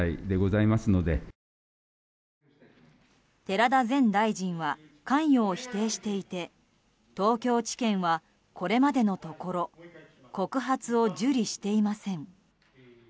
寺田前大臣は関与を否定していて東京地検はこれまでのところ告発を受理していません。